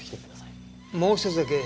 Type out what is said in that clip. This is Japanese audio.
もう１つだけ。